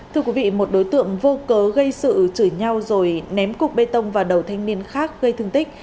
thưa quý vị một đối tượng vô cớ gây sự chửi nhau rồi ném cục bê tông vào đầu thanh niên khác gây thương tích